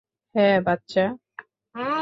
হ্যাঁ, বাচ্চা।